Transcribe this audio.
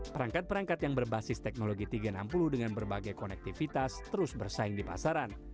perangkat perangkat yang berbasis teknologi tiga ratus enam puluh dengan berbagai konektivitas terus bersaing di pasaran